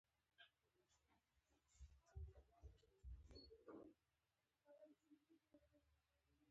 د همدې په زور عالم راته غلام دی